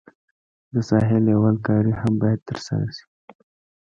د ساحې لیول کاري هم باید ترسره شي